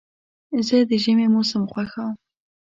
زه د ژمي موسم خوښوم.